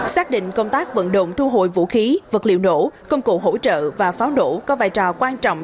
xác định công tác vận động thu hồi vũ khí vật liệu nổ công cụ hỗ trợ và pháo nổ có vai trò quan trọng